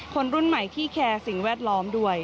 คนรุ่นใหม่ที่แคร์สิ่งแวดล้อมด้วย